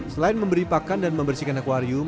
selain memberi pakan dan membersihkan akwarium